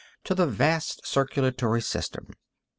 to the vast circulatory system.